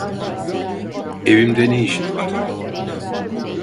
Evimde ne işin var?